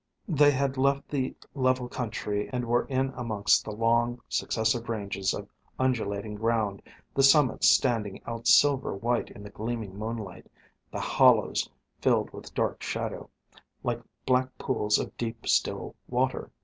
They had left the level country and were in amongst the long, successive ranges of undulating ground, the summits standing out silver white in the gleaming moonlight, the hollows filled with dark shadow, like black pools of deep, still water.